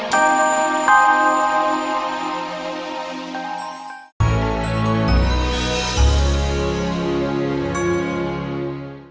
kita pergi dari sini